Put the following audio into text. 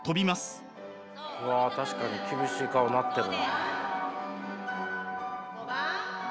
わあ確かに厳しい顔になってる。